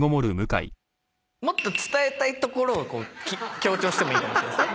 もっと伝えたいところを強調してもいいかもしれないですね。